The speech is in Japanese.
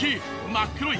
真っ黒い